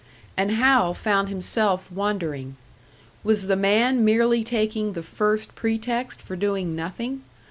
And Hal found himself wondering. Was the man merely taking the first pretext for doing nothing?